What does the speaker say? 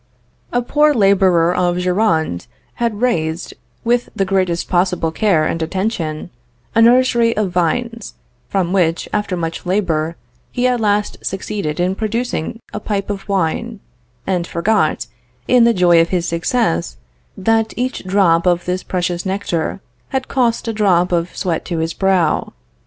A poor laborer of Gironde had raised, with the greatest possible care and attention, a nursery of vines, from which, after much labor, he at last succeeded in producing a pipe of wine, and forgot, in the joy of his success, that each drop of this precious nectar had cost a drop of sweat to his brow.